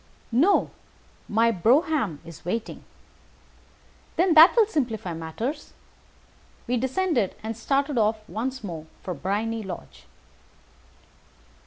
"No, my brougham is waiting." "Then that will simplify matters." We descended, and started off once more for Briony Lodge.